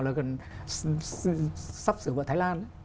là gần sắp sửa vợ thái lan